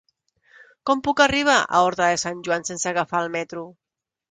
Com puc arribar a Horta de Sant Joan sense agafar el metro?